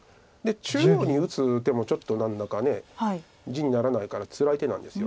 中央に打つ手もちょっと何だか地にならないからつらい手なんです。